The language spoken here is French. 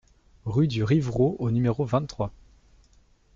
Rue du Rivraud au numéro vingt-trois